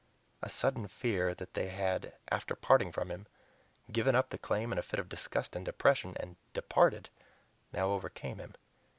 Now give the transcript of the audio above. A sudden fear that they had, after parting from him, given up the claim in a fit of disgust and depression, and departed, now overcame him.